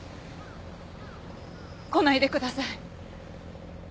来ないでください。